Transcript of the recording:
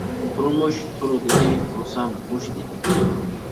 تۇرمۇش «تۇر» دېدى، تۇرسام «مۇش» دېدى.